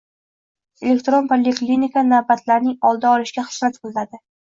Elektron poliklinika navbatlarning oldi olishga xizmat qilading